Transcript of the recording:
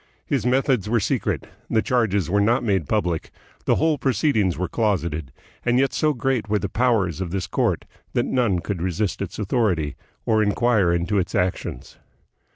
His methods were secret, the charges were not made public, the whole proceedings were closeted, and yet so great were the powers of this court that none could resist its authority, or inquire into its actions.